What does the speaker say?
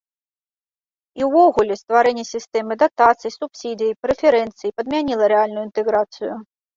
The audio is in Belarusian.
І ўвогуле стварэнне сістэмы датацый, субсідый, прэферэнцый падмяніла рэальную інтэграцыю.